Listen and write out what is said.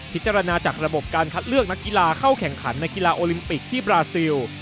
จากระบบการคัดเลือกนักกีฬาเข้าแข่งขันในกีฬาโอลิมปิกที่บราซิล